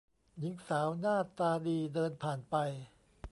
หญิงสาวหน้าตาดีเดินผ่านไป